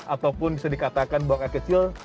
ataupun bisa dikatakan buang air kecil